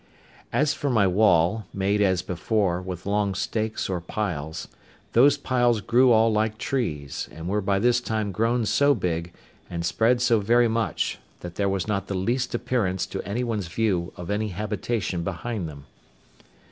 As for my wall, made, as before, with long stakes or piles, those piles grew all like trees, and were by this time grown so big, and spread so very much, that there was not the least appearance, to any one's view, of any habitation behind them.